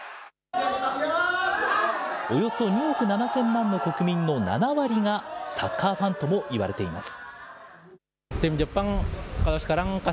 およそ２億７０００万の国民の７割がサッカーファンともいわれています。